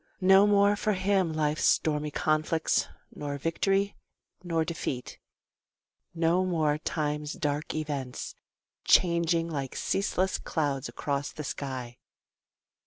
No more for him life's stormy conflicts, Nor victory, nor defeat no more time's dark events, Charging like ceaseless clouds across the sky.